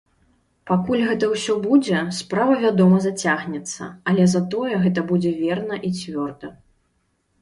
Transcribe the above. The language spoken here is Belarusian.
Пакуль гэта ўсё будзе, справа, вядома, зацягнецца, але затое гэта будзе верна і цвёрда.